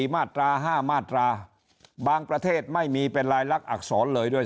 มาตรา๕มาตราบางประเทศไม่มีเป็นรายลักษณอักษรเลยด้วย